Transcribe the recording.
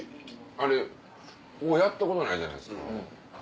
あれこうやったことないじゃないですか。